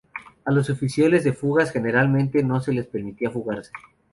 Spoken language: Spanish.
A los oficiales de fugas generalmente no se les permitía fugarse.